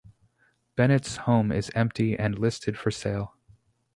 Bennett's home is empty and listed for sale.